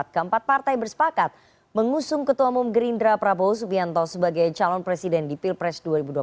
keempat partai bersepakat mengusung ketua umum gerindra prabowo subianto sebagai calon presiden di pilpres dua ribu dua puluh empat